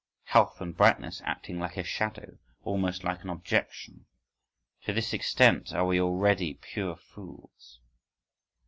Health and brightness acting like a shadow? Almost like an objection?… To this extent are we already pure fools.